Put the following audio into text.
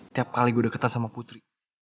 tiap kali gue deketan sama putri